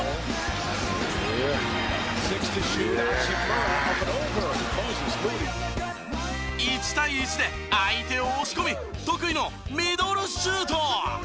「うわっ」「いやあ」１対１で相手を押し込み得意のミドルシュート！